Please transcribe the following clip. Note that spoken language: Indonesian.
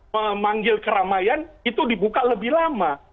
memanggil keramaian itu dibuka lebih lama